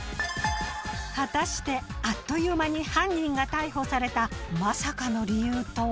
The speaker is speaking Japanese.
果たしてあっという間に犯人が逮捕されたまさかの理由とは？